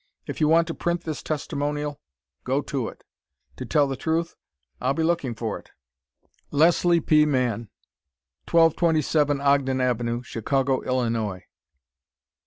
If you want to print this testimonial, go to it. To tell the truth, I'll be looking for it. Leslie P. Mann, 1227 Ogden Ave., Chicago, Illinois.